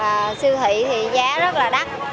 và siêu thị thì giá rất là đắt